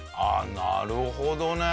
なるほどね。